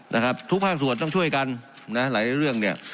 นะครับทุกภาคส่วนต้องช่วยกันนะหลายเรื่องเนี่ย